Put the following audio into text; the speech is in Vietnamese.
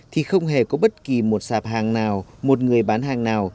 thì không hề có bất kỳ một sạp hàng nào một người bán hàng nào